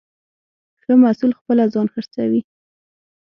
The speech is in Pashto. ښه محصول خپله ځان خرڅوي.